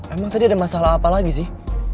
emang tadi ada masalah apa lagi sih